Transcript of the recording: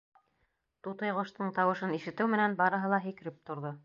Тутыйғоштоң тауышын ишетеү менән барыһы ла һикереп торҙо.